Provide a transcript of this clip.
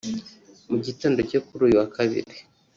mu gitondo cyo kuri uyu wa kabiri